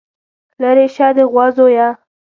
ليرې شه د غوا زويه.